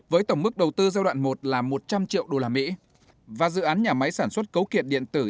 với tổng mức đầu tư giai đoạn một là một trăm linh triệu usd và dự án nhà máy sản xuất cấu kiện điện tử